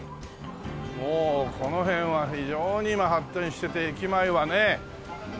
もうこの辺は非常に今発展してて駅前はね。